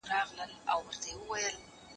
زه هره ورځ د سبا لپاره د سوالونو جواب ورکوم..